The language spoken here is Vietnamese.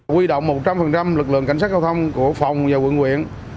quy động một trăm linh lực lượng cảnh sát giao thông của phòng và quận quyện